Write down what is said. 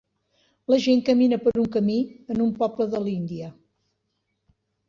La gent camina per un camí en un poble de l'Índia.